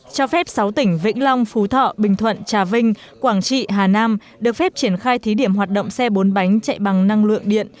cho phép sáu tỉnh vĩnh long phú thọ bình thuận trà vinh quảng trị hà nam được phép triển khai thí điểm hoạt động xe bốn bánh chạy bằng năng lượng điện